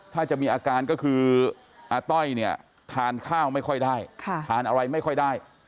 ถ้าจะมีอาการก็คืออาต้อยเนี่ยทานข้าวไม่ค่อยได้ทานอะไรไม่ค่อยได้